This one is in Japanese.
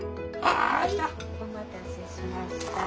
お待たせしました。